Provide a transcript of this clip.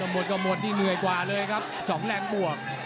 หมดก็หมดนี่เหนื่อยกว่าเลยครับ๒แรงบวก